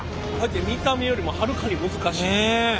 見た目よりもはるかに難しい。